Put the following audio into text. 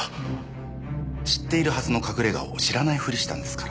知っているはずの隠れ家を知らないふりしたんですから。